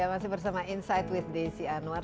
masih bersama insight with desi anwar